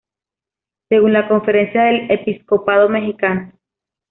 Según la Conferencia del Episcopado Mexicano.